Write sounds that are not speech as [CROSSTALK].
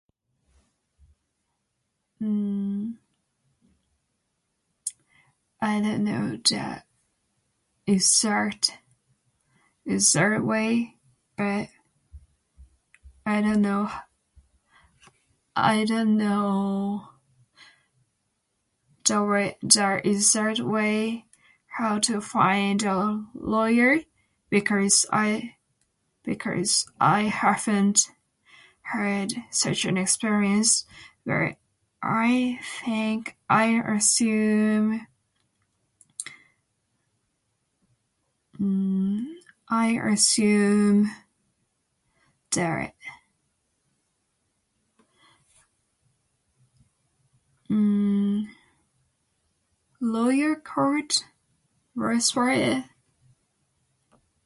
I don't know that [UNINTELLIGIBLE] I don't know, I don't know [UNINTELLIGIBLE] how to find a lawyer because I - because I haven't had such an experience but I think I assume, I assume, [UNINTELLIGIBLE] Lawyer [UNINTELLIGIBLE]